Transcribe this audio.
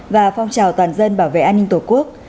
và phong trào toàn dân bảo vệ an ninh tổ quốc